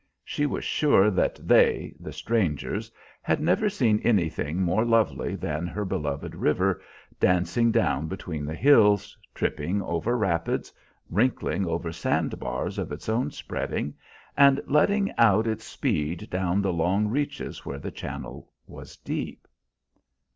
She was sure that they, the strangers, had never seen anything more lovely than her beloved river dancing down between the hills, tripping over rapids, wrinkling over sand bars of its own spreading, and letting out its speed down the long reaches where the channel was deep.